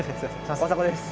大迫です。